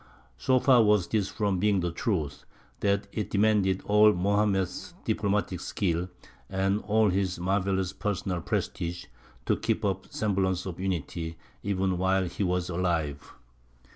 So far was this from being the truth, that it demanded all Mohammed's diplomatic skill, and all his marvellous personal prestige, to keep up a semblance of unity even while he was alive.